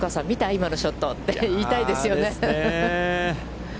今のショットって、言いたいですよね。